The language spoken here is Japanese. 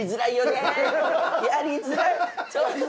やりづらい。